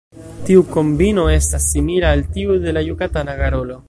Tiu kombino estas simila al tiu de la Jukatana garolo.